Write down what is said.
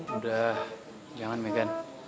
udah jangan megan